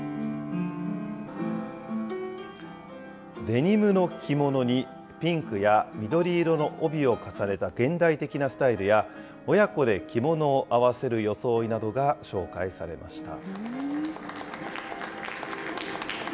デニムの着物に、ピンクや緑色の帯を重ねた現代的なスタイルや、親子で着物を合わせる装いなどが紹介されました。